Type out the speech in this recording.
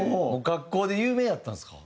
学校で有名やったんですか。